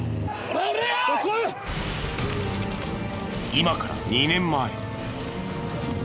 今から２年前。